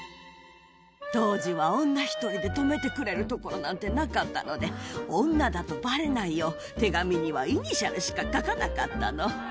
当時は女１人で泊めてくれるところなんてなかったので、女だとばれないよう、手紙にはイニシャルしか書かなかったの。